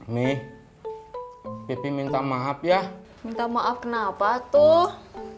nih pipi minta maaf ya minta maaf kenapa tuh